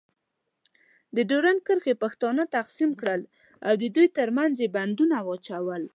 د ډیورنډ کرښې پښتانه تقسیم کړل. او دوی ترمنځ یې بندونه واچول.